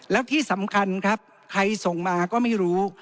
แล้วที่สำคัญครับใครส่งมาก็ไม่รู้